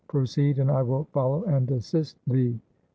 Proceed and I will follow and assist thee.'